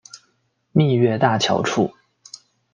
蜜月大桥处。